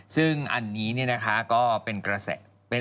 ซึ่งอันนี้ก็เป็นกระแส